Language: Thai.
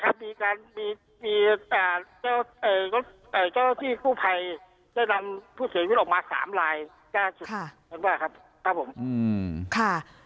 ใช่ครับมีตัวเลขผู้เสียชีวิตออกมาจากห้าง๓ลายครับ